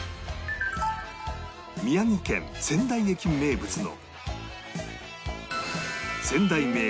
宮城県仙台駅名物の